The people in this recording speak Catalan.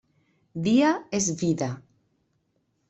Dia és vida.